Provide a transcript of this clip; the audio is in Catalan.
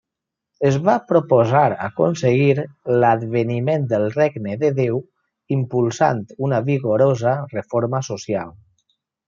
Es va proposar aconseguir l'adveniment del Regne de Déu impulsant una vigorosa reforma social.